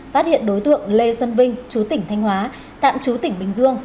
phát hiện đối tượng lê xuân vinh chú tỉnh thanh hóa tạm trú tỉnh bình dương